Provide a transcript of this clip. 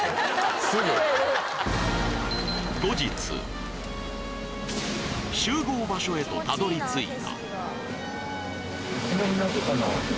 すぐ集合場所へとたどり着いた